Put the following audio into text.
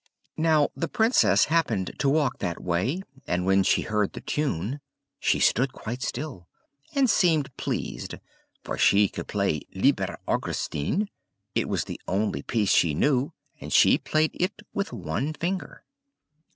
Now the Princess happened to walk that way; and when she heard the tune, she stood quite still, and seemed pleased; for she could play "Lieber Augustine"; it was the only piece she knew; and she played it with one finger.